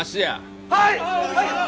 はい！